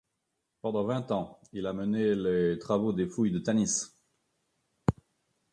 Pendant vingt ans, il a mené les travaux des fouilles de Tanis.